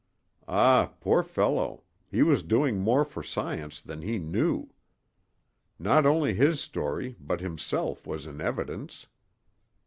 Ah, poor fellow, he was doing more for science than he knew: not only his story but himself was in evidence.